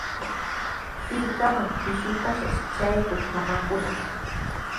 Hirkaman pishipashqa traykurshi samaykunaq.